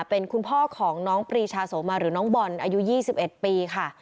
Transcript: เป็นคุณพ่อของน้องปรีชาโสมาหรือน้องบอลอายุ๒๑ปีค่ะ